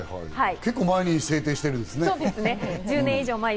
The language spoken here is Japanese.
結構前に制定してるんですね、１２年前。